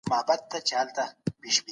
ليکوال بايد د ټولني په نبض پوه سي.